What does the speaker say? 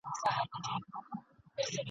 هغه ښارته چي په خوب کي دي لیدلی !.